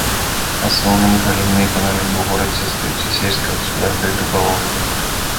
Асноўнымі галінамі эканомікі ў горадзе застаюцца сельская гаспадарка і рыбалоўства.